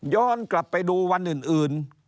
กลับไปดูวันอื่น